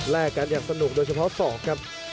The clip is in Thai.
กันอย่างสนุกโดยเฉพาะศอกครับ